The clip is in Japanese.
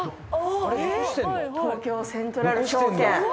「東京セントラル証券」